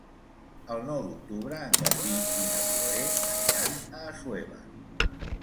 El nou d'octubre en Garbí i na Chloé aniran a Assuévar.